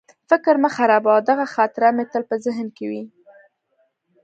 فکر مه خرابوه، دغه خاطره به مې تل په ذهن کې وي.